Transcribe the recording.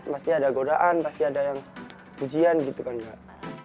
pasti ada godaan pasti ada yang ujian gitu kan mbak